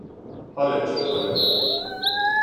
حالت چطوره؟